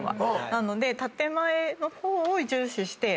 なので建前の方を重視して。